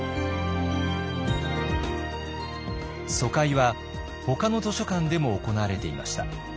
疎開はほかの図書館でも行われていました。